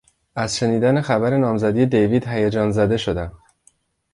از شنیدن خبر نامزدی دیوید هیجان زده شدم.